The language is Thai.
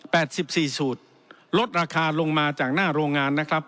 สิบสี่สูตรลดราคาลงมาจากหน้าโรงงานนะครับ